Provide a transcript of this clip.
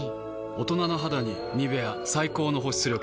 大人な肌に「ニベア」最高の保湿力。